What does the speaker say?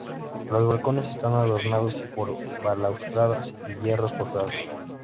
Los balcones están adornados por balaustradas y hierros forjados.